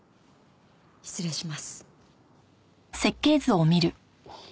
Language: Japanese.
失礼します。